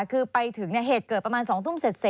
คือไปถึงเหตุเกิดประมาณ๒ทุ่มเสร็จ